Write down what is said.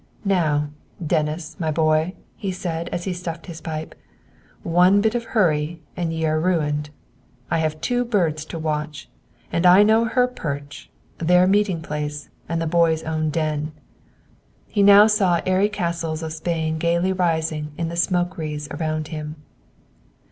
"Now, Dennis, my boy," he said, as he stuffed his pipe. "One bit of hurry, and ye are ruined! I have two birds to watch. And I know her perch, their meetingplace, and the boy's own den!" He now saw airy castles of Spain gaily rising in the smoke wreaths around him.